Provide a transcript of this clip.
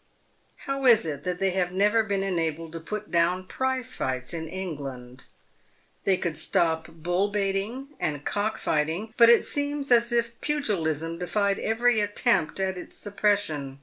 How is it that they have never been enabled to put down prize fights in England ? They could stop bull baiting and cock fighting, but it seems as if pugilism defied every attempt at its suppression.